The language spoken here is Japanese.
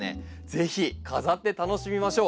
ぜひ飾って楽しみましょう。